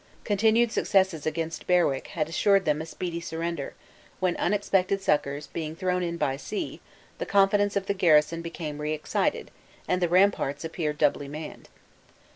Continued successes against Berwick had assured them a speedy surrender, when unexpected succors being thrown in by sea, the confidence of the garrison became re excited, and the ramparts appeared doubly manned.